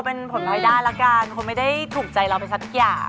เป็นผลพลอยได้แล้วกันคงไม่ได้ถูกใจเราไปสักอย่าง